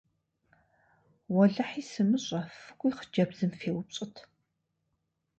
Уэлэхьи, сымыщӏэ, фыкӏуи хъыджэбзым феупщӏыт!